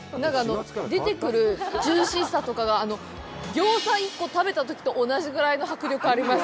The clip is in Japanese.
出てくるジューシーさとかがギョーザ１個食べたときと同じぐらいの迫力あります。